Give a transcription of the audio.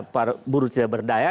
para buruh tidak berdaya